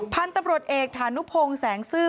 พันธุ์ตำรวจเอกฐานุพงศ์แสงซื่อ